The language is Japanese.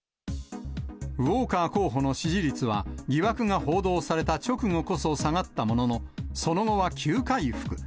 ウォーカー候補の支持率は疑惑が報道された直後こそ下がったものの、その後は急回復。